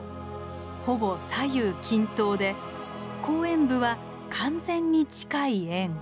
ほぼ左右均等で後円部は完全に近い円。